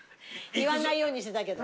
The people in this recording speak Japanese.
言わないようにしてたけど。